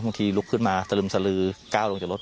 ลุกขึ้นมาสลึมสลือก้าวลงจากรถ